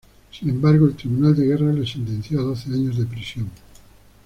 Sin embargo, el tribunal de guerra lo sentenció a doce años de prisión.